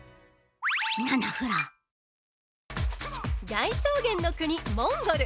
大草原の国、モンゴル。